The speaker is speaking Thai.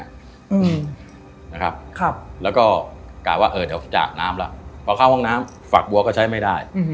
อืมนะครับครับแล้วก็กะว่าเออเดี๋ยวจากน้ำแล้วพอเข้าห้องน้ำฝักบัวก็ใช้ไม่ได้อืม